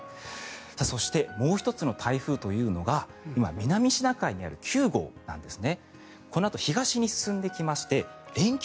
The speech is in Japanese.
そしてもう１つの台風というのが南シナ海にある９号なんですね。